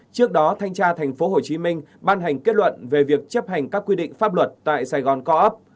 trước đó thanh tra tp hcm ban hành kết luận về việc chấp hành các quy định pháp luật tại sài gòn co op